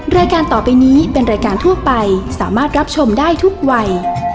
รายการต่อไปนี้เป็นรายการทั่วไปสามารถรับชมได้ทุกวัย